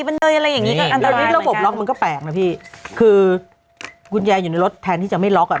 คือคุณแจอยู่ในรถแทนที่จะไม่ล็อก